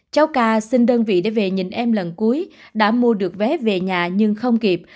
cháu ca xin đơn vị để về nhìn em lần cuối đã mua được vé về nhà nhưng không kịp